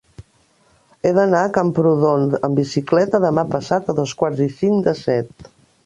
He d'anar a Camprodon amb bicicleta demà passat a dos quarts i cinc de set.